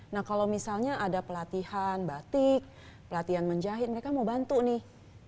nah kalau misalnya ada pelatihan batik pelatihan menjahit mereka mau bantu nih